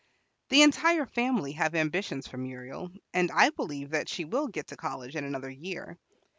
The entire family have ambitions for Muriel, and I believe that she will get to college in another year.